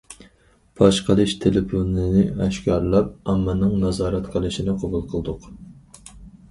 پاش قىلىش تېلېفونىنى ئاشكارىلاپ، ئاممىنىڭ نازارەت قىلىشىنى قوبۇل قىلدۇق.